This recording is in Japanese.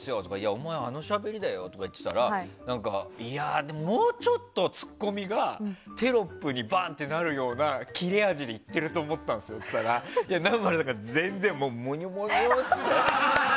お前、あのしゃべりだよなんて言っていたらいや、でももうちょっとツッコミがテロップにバッとなるような切れ味で言ってると思ったんですよって言ったら南原さんが全然もにょもにょって。